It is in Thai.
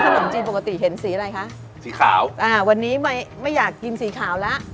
ขนมจีนปกติเห็นสีอะไรคะสีขาวอ่าวันนี้ไม่ไม่อยากกินสีขาวแล้ว